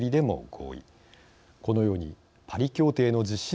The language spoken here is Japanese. このようにパリ協定の実施